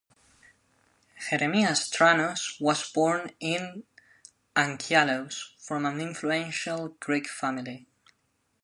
Jeremias Tranos was born in Anchialos, from an influential Greek family.